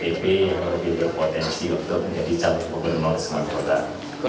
pdip lebih berpotensi untuk menjadi calon gubernur sumatera utara